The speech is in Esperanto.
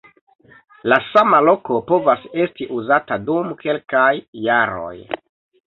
La sama loko povas esti uzata dum kelkaj jaroj.